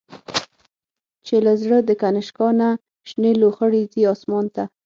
چی له زړه د”کنشکا”نه، شنی لو خړی ځی آسمان ته